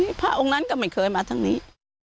ไม่หรอกพระองค์นั้นก็ไม่เคยมาทั้งนี้